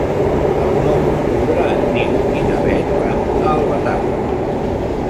El nou d'octubre en Nil i na Bet van a Albatàrrec.